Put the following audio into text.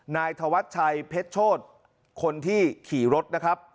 นายธวัชชัยเพชรโชธคนที่ขี่รถนะครับ